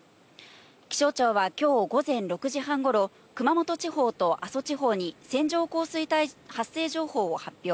気象庁はきょう午前６時半ごろ、熊本地方と阿蘇地方に線状降水帯発生情報を発表。